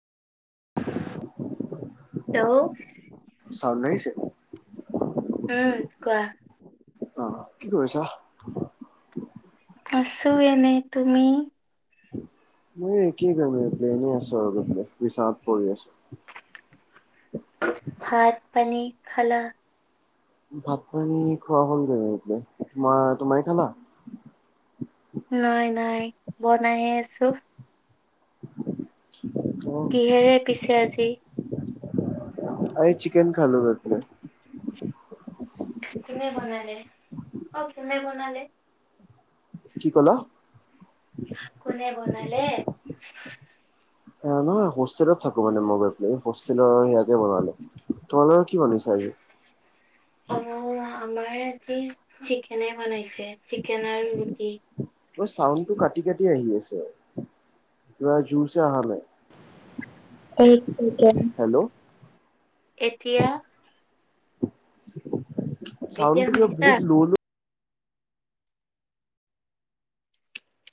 Hello! চাউণ্ড আহিছে? উম কোৱা। অ' কি কৰিছা? আছোঁ এনে। তুমি? মই কি কৰিম আৰু এতিয়া এনে আছোঁ আৰু বহি পেলাই, হিচাপ কৰি আছোঁ। ভাত, পানী খালা? ভাত, পানী খোৱা হ'লগে [unintelligible] তোমা তোমালোকে খালা? নাই নাই, বনাইহে আছোঁ। অ'। কিহেৰে পিছে আজি? আজি চিকেন খালোঁ ৰৈ পেলাই। কোনে বনালে? অ' কোনে বনালে? কি ক'লা? কোনে বনালে? এহ নহয়, হোষ্টেলত থাকোঁ মানে মই গৈ পেলাই। এই হোষ্টেলৰ সেয়াতে বনালোঁ। তোমালোকৰ কি বনাইছা আজি? অ', আমাৰ আজি চিকেনে বনাইছে। চিকেন আৰু ৰুটি। তোমাৰ চাউণ্ডটো কাটি কাটি আহি আছে। কিবা জোৰচে অহা নাই। [unintelligible] হেল্ল' এতিয়া? এতিয়া চাউণ্ডটো কিবা শুনিছা বহুত ল'- ল'